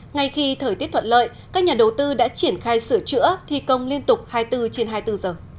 ngay khi thời tiết thuận lợi các nhà đầu tư đã triển khai sửa chữa thi công liên tục hai mươi bốn trên hai mươi bốn giờ